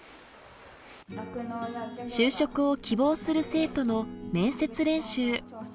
就職を希望する生徒の面接練習。